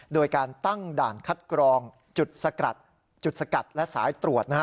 โดยการตั้งด่านคัดกรองจุดสกัดและสายตรวจ